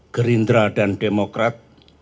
gerindra dan demokrat